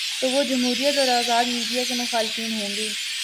تو وہ جمہوریت اور آزاد میڈیا کے مخالفین ہو ں گے۔